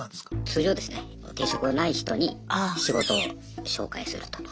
通常ですね定職ない人に仕事を紹介すると。